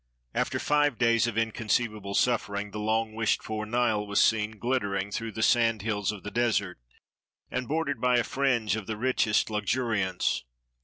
After live days of inconceivable suffering, the long wished for Nile was seen, glittering through the sand hills of the desert, and bordered by a fringe of the richest luxuriance.